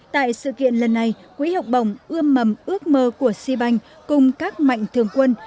tại sự kiện lần này quỹ học bổng ươm mầm ước mơ của sipanh cùng các mạnh thường quân